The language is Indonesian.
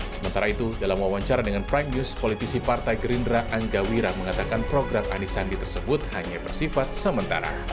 sementara itu dalam wawancara dengan prime news politisi partai gerindra angga wira mengatakan program anies sandi tersebut hanya bersifat sementara